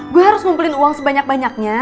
gue harus ngumpulin uang sebanyak banyaknya